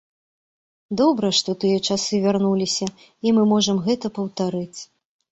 Добра, што тыя часы вярнуліся, і мы можам гэта паўтарыць.